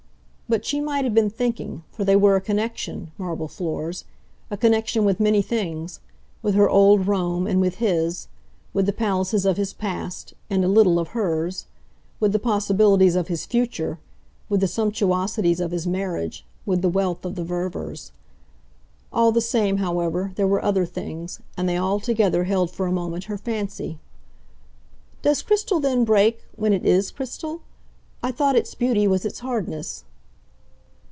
But she might have been thinking for they were a connection, marble floors; a connection with many things: with her old Rome, and with his; with the palaces of his past, and, a little, of hers; with the possibilities of his future, with the sumptuosities of his marriage, with the wealth of the Ververs. All the same, however, there were other things; and they all together held for a moment her fancy. "Does crystal then break when it IS crystal? I thought its beauty was its hardness."